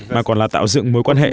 mà còn là tạo dựng mối quan hệ